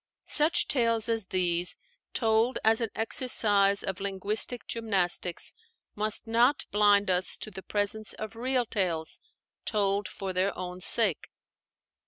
Such tales as these, told as an exercise of linguistic gymnastics, must not blind us to the presence of real tales, told for their own sake.